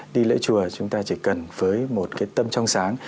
đi lễ chùa chúng ta chỉ cần với một cái tâm trong sáng